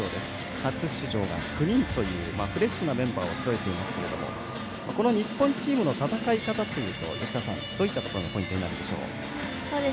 初出場は９人というフレッシュなメンバーをそろえていますけれどもこの日本チームの戦い方というと吉田さん、どういったところがポイントになるでしょう。